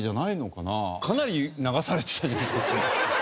かなり流されてたよね。